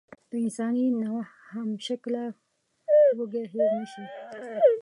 د انساني نوعیت همشکله وږی هېر نشي.